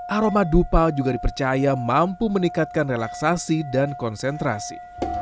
aroma dupa juga dipercaya mampu meningkatkan relaksasi dan konsentrasi